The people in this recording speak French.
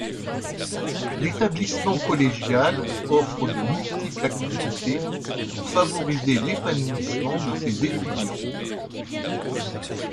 L'établissement collégial offre de multiples activités pour favoriser l'épanouissement de ses étudiants.